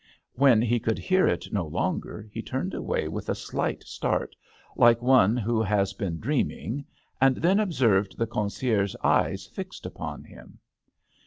When he could hear it no longer he turned away with a slight start, like one who has been dreaming, and then observed the concierge's eyes fixed upon him.